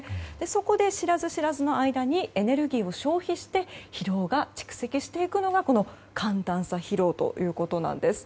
そこで、知らず知らずの間にエネルギーを消費して疲労が蓄積していくのがこの寒暖差疲労ということなんです。